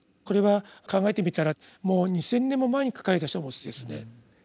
これは考えてみたらもう２，０００年も前に書かれた書物ですね。